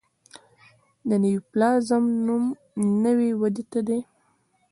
د نیوپلازم نوم نوي ودې ته دی.